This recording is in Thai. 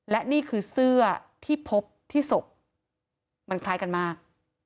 และนี่คือเสื้อที่พบที่ศพมันคล้ายกันมาก